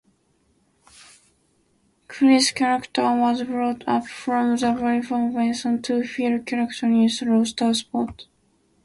Chris Carter was brought up from the Buffalo Bisons to fill Catalanotto's roster spot.